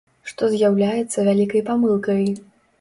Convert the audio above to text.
Што з'яўляецца вялікай памылкай.